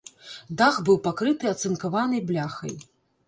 Дах быў пакрыты ацынкаванай бляхай.